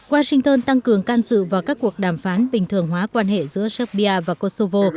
washington tăng cường can dự vào các cuộc đàm phán bình thường hóa quan hệ giữa serbia và kosovo